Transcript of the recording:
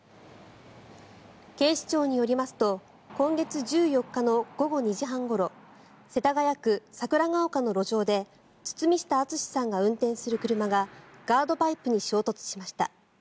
警視庁によりますと今月１４日の午後２時半ごろ世田谷区桜丘の路上で堤下敦さんが運転する車がガードパイプに衝突しました。